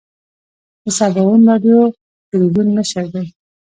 د سباوون راډیو تلویزون مشر دی.